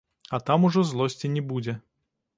А там ужо злосці не будзе.